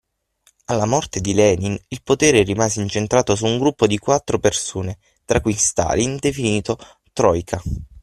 Alla morte di Lenin il potere rimase incentrato su un gruppo di quattro persone, tra cui Stalin, definito troika.